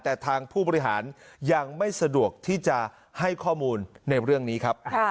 แต่ทางผู้บริหารยังไม่สะดวกที่จะให้ข้อมูลในเรื่องนี้ครับ